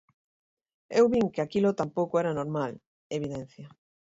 "Eu vin que aquilo tampouco era normal", evidencia.